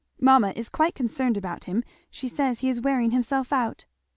Mamma is quite concerned about him she says he is wearing himself out."